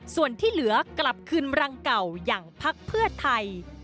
ส่วนที่เหลือกลับคืนรังเก่าอย่างพักเพื่อไทย